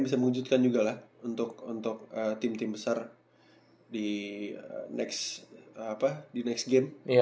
bisa mengejutkan juga lah untuk untuk tim tim besar di next apa di next game